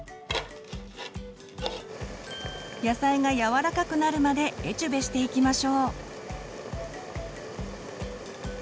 野菜がやわらかくなるまでエチュベしていきましょう。